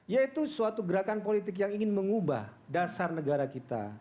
yaitu suatu gerakan politik yang ingin mengubah dasar negara kita